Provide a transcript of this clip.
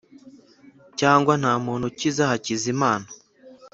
Cyangwa nta muntu ukiza hakiza Imana